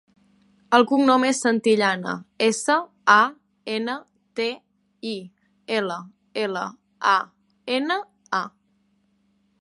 El cognom és Santillana: essa, a, ena, te, i, ela, ela, a, ena, a.